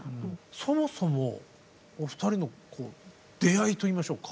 そもそもお二人の出会いといいましょうか。